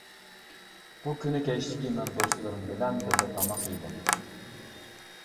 بۇ كۈنى كەچلىكى مەن دوستلىرىم بىلەن بىللە تاماق يېدىم.